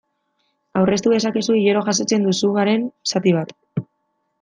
Aurreztu dezakezu hilero jasotzen duzubaren zati bat.